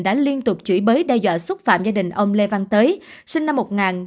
đã liên tục chửi bới đe dọa xúc phạm gia đình ông lê văn tới sinh năm một nghìn chín trăm tám mươi